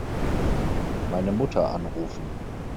Meine Mutter anrufen.